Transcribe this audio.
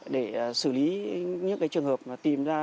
để xử lý những trường hợp mà tìm ra